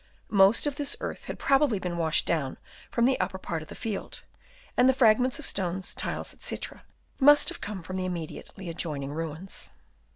Most of this earth had probably been washed down from the upper part of the field, and the fragments of Chap. IV. OF ANCIENT BUILDINGS. 185 stones, tiles, &c, must have come from the immediately adjoining ruins.